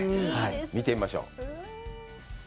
見てみましょう。